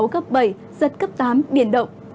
giật cấp tám biển động